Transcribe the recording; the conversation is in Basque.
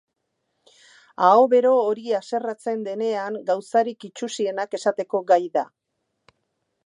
Aho bero hori haserretzen denean gauzarik itsusienak esateko gai da.